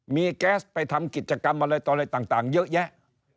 มีแก๊สไปทำกิจกรรมอะไรต่างเยอะแยะ